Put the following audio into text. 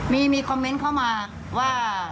มีคอมเมนต์เข้ามาว่า